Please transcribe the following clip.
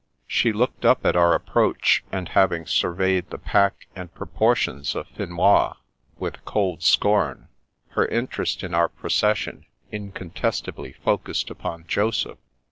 She looked up at our approach, and having surveyed the pack and proportions of Finois with cold scorn, her interest in our procession in contestably focused upon Joseph.